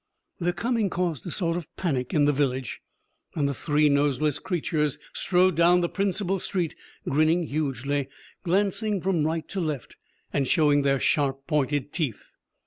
Their coming caused a sort of panic in the village, and the three noseless creatures strode down the principal street grinning hugely, glancing from right to left, and showing their sharp pointed teeth.